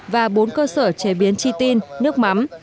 và bốn cơ sở chế biến chi tin nước mắm